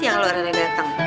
yang lo rere dateng